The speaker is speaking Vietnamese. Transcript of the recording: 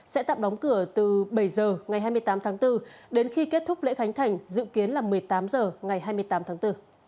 sẽ tạm đóng cửa từ bảy h ngày hai mươi tám tháng bốn đến khi kết thúc lễ khánh thành dự kiến là một mươi tám h ngày hai mươi tám tháng bốn